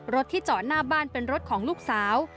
รถที่จอดหน้าบ้านเป็นรถของลูกสาว